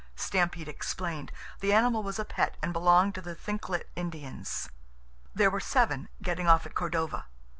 Stampede explained. The animal was a pet and belonged to the Thlinkit Indians. There were seven, getting off at Cordova.